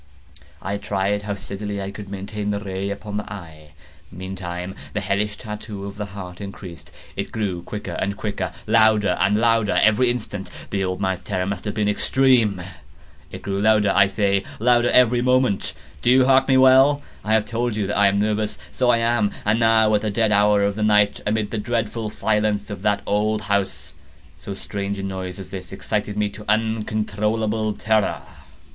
I tried how steadily I could maintain the ray upon the eve. Meantime the hellish tattoo of the heart increased. It grew quicker and quicker, and louder and louder every instant. The old man's terror must have been extreme! It grew louder, I say, louder every moment!—do you mark me well? I have told you that I am nervous: so I am. And now at the dead hour of the night, amid the dreadful silence of that old house, so strange a noise as this excited me to uncontrollable terror.